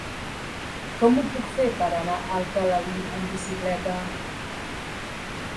Com ho puc fer per anar a Alcalalí amb bicicleta?